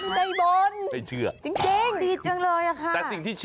ไม่เชื่อไม่เชื่อจริงดีจังเลยอะค่ะ